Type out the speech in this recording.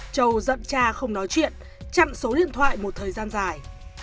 châu thường nói chuyện chặn số điện thoại một thời gian dài